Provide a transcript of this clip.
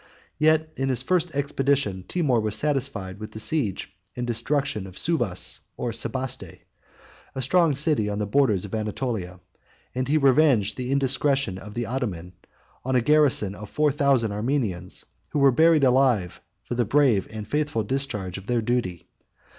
Yet in his first expedition, Timour was satisfied with the siege and destruction of Siwas or Sebaste, a strong city on the borders of Anatolia; and he revenged the indiscretion of the Ottoman, on a garrison of four thousand Armenians, who were buried alive for the brave and faithful discharge of their duty.